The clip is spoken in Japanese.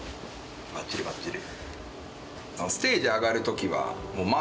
ばっちりばっちり！